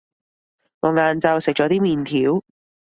我晏晝食咗啲麵條